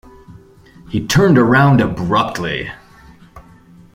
He turned around abruptly.